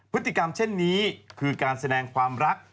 พฤติกรรมเช่นนี้คือการแสดงความรัก